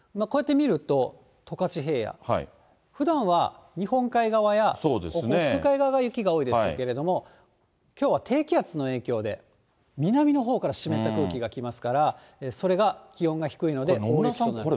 こうやって見ると、十勝平野、ふだんは日本海側やオホーツク海側が雪が多いですけれども、きょうは低気圧の影響で、南のほうから湿った空気が来ますから、野村さん、そうですね。